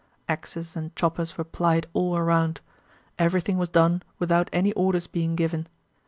Axes and choppers were plied all around. Everything was done without any orders being given.